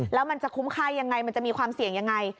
แล้วมันจะคุ้มค่ายังไงมันจะมีความเสี่ยงยังไง